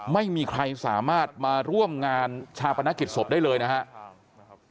ไม่มีใครสามารถมาร่วมงานชาปนกิจศพได้เลยนะครับ